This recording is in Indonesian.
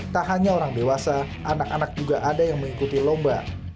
tak hanya orang dewasa anak anak juga ada yang mengikuti lomba